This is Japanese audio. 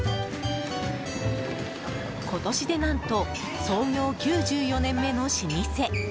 今年で何と創業９４年目の老舗。